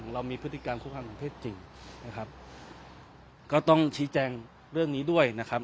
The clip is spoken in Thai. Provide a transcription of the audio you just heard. เรามีพฤติการคุกคามทางเพศจริงนะครับก็ต้องชี้แจงเรื่องนี้ด้วยนะครับ